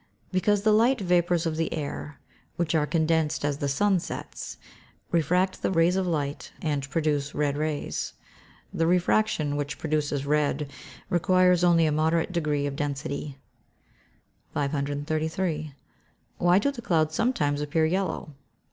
_ Because the light vapours of the air, which are condensed as the sun sets, refract the rays of light, and produce red rays. The refraction which produces red requires only a moderate degree of density. 533. _Why do the clouds sometimes appear yellow?